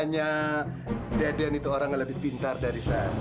katanya dedean itu orang yang lebih pintar dari saya